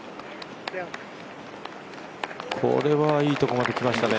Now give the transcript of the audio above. これはいいところまできましたね